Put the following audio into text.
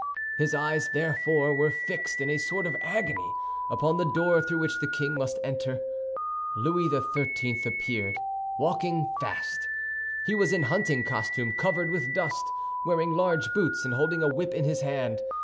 His eyes therefore were fixed in a sort of agony upon the door through which the king must enter. Louis XIII. appeared, walking fast. He was in hunting costume covered with dust, wearing large boots, and holding a whip in his hand.